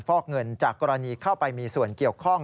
ฟอกเงินจากกรณีเข้าไปมีส่วนเกี่ยวข้อง